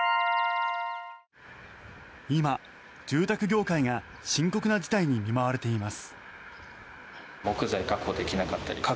今、住宅業界が深刻な事態に見舞われています。